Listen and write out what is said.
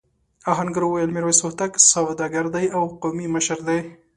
آهنګر وویل میرويس هوتک سوداګر دی او قومي مشر دی.